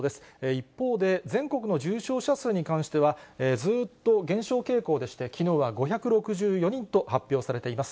一方で、全国の重症者数に関しては、ずっと減少傾向でして、きのうは５６４人と発表されています。